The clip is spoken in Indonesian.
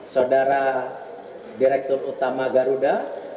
saudara direktur utama garuda